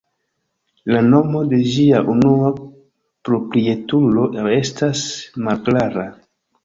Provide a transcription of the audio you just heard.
La nomo de ĝia unua proprietulo restas malklara.